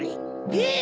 えっ？